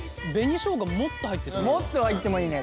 俺何ならもっと入ってもいいね